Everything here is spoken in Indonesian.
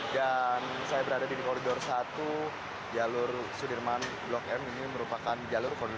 dan saya berada di koridor satu jalur sudirman blok m ini merupakan jalur konflik